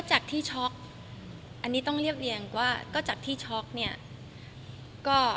จากที่ช็อกอันนี้ต้องเรียบเรียงว่าก็จากที่ช็อกเนี่ยก็